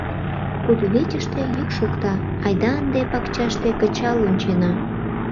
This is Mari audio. Кудывечыште йӱк шокта: «Айда ынде пакчаште кычал ончена!»